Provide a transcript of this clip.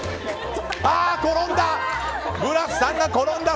あー、転んだ！